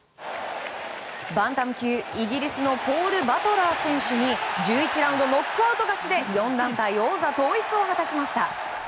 バンタム級、イギリスのポール・バトラー選手に１１ラウンドノックアウト勝ちで４団体王座統一を果たしました。